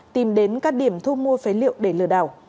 tìm đến các điểm thu mua phế liệu để lừa đảo